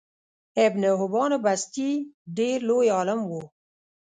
ابن حبان بستي ډیر لوی عالم وو